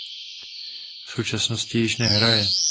V současnosti již nehraje.